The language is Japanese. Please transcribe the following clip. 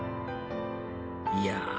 いや